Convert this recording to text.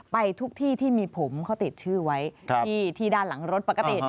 ไปทุกที่ที่มีผมเขาติดชื่อไว้ที่ด้านหลังรถปกติ